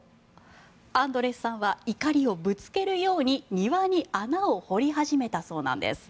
アンドレスさんは怒りをぶつけるように庭に穴を掘り始めたそうなんです。